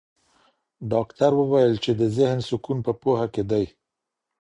ډاکټر وویل چي د ذهن سکون په پوهه کې دی.